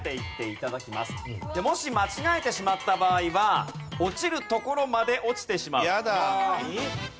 もし間違えてしまった場合は落ちるところまで落ちてしまう。